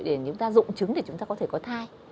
để chúng ta dụng chứng để chúng ta có thể có thai